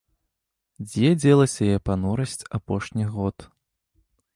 Дзе дзелася яе панурасць апошніх год.